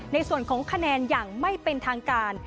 ในส่วนของคะแนนอย่างไม่เป็นทางการ